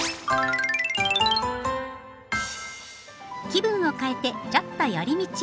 気分を変えて「ちょっとより道」。